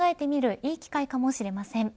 いい機会かもしれません。